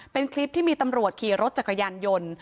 เป็นคลิปที่มีตำรวจขี่รถจักรยานยนต์